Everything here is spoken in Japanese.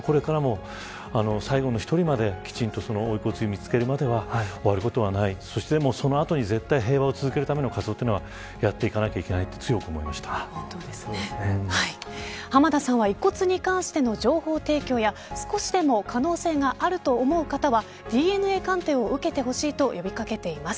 最後の１人まできちんとご遺骨を見つけるまでは終わることがなく、その後に平和を続けるための活動をしていかないといけないと浜田さんは遺骨に関しての情報提供や少しでも可能性があると思う方はＤＮＡ鑑定を受けてほしいと呼び掛けています。